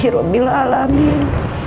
iruh mila alamin